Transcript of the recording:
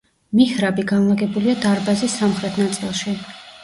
მიჰრაბი განლაგებულია დარბაზის სამხრეთ ნაწილში.